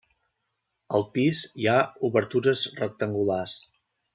Al pis hi ha obertures rectangulars.